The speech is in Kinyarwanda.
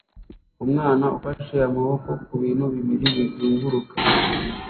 umwana ufashe amaboko kubintu bibiri bizunguruka